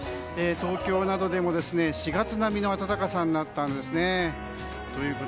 東京でも４月並みの暖かさになったんですね。